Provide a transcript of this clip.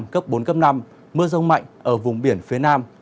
có mưa rông mạnh ở vùng biển phía nam